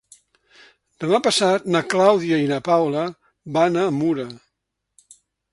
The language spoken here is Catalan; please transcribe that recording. Demà passat na Clàudia i na Paula van a Mura.